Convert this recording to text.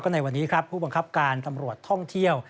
ในวันนี้ครับผู้บังคับการตำรวจท่องเที่ยว